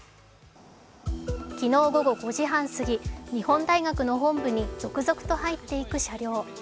昨日午後５時半すぎ、日本大学の本部に続々と入っていく車両。